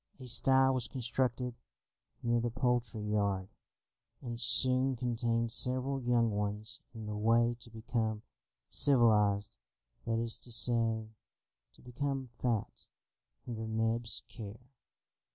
A sty was constructed near the poultry yard, and soon contained several young ones in the way to become civilised, that is to say, to become fat under Neb's care.